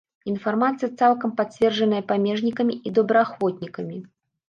Інфармацыя цалкам пацверджаная памежнікамі і добраахвотнікамі.